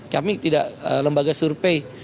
kami tidak lembaga survei